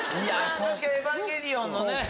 確かに『エヴァンゲリオン』のね。